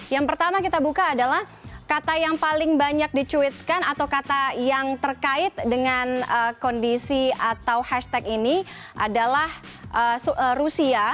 yang pertama kita buka adalah kata yang paling banyak dicuitkan atau kata yang terkait dengan kondisi atau hashtag ini adalah rusia